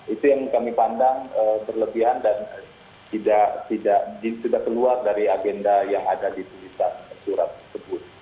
itu yang kami pandang berlebihan dan tidak keluar dari agenda yang ada di tulisan surat tersebut